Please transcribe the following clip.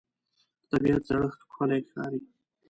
د طبیعت زړښت ښکلی ښکاري